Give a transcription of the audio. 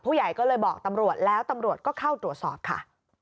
ผู้ใหญ่ก็เลยบอกตำรวจแล้วตำรวจก็เข้าตรวจสอบค่ะ